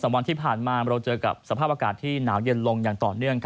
วันที่ผ่านมาเราเจอกับสภาพอากาศที่หนาวเย็นลงอย่างต่อเนื่อง